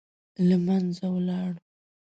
له منځه ولاړ.